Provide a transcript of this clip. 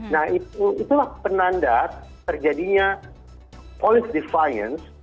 nah itulah penanda terjadinya polis defience